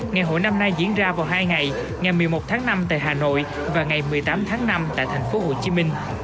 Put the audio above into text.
ngày hội năm nay diễn ra vào hai ngày ngày một mươi một tháng năm tại hà nội và ngày một mươi tám tháng năm tại tp hcm